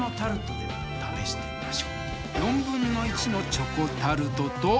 チョコタルトと。